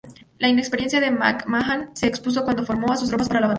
La inexperiencia de MacMahon se expuso cuando formó a sus tropas para la batalla.